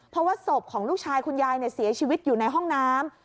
เพราะว่าศพของลูกชายคุณยายเสียชีวิตอยู่ในห้องน้ำ